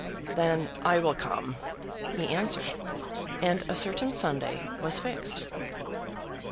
"Then I will come," he answered, and a certain Sunday was fixed.